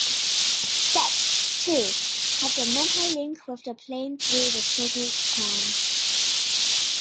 Set, too, kept a mental link with the plane through the Serpent Crown.